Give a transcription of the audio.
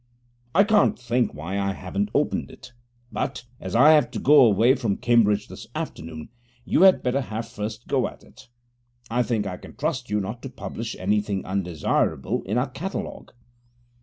I can't think why I haven't opened it; but, as I have to go away from Cambridge this afternoon, you had better have first go at it. I think I can trust you not to publish anything undesirable in our catalogue.'